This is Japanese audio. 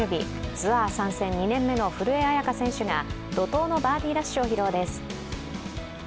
ツアー参戦２年目の古江彩佳選手が怒とうのバーディーラッシュを披露です。